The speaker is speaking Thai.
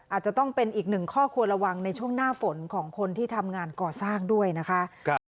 อาจจะต้องเป็นอีกหนึ่งข้อควรระวังในช่วงหน้าฝนของคนที่ทำงานก่อสร้างด้วยนะคะ